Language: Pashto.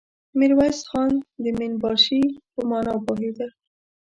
ميرويس خان د مين باشي په مانا پوهېده.